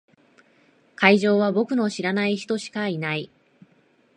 会場は僕の知らない人しかいない。